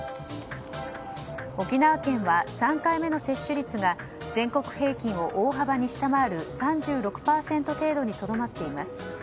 沖縄県は３回目の接種率が全国平均を大幅に下回る３６％程度にとどまっています。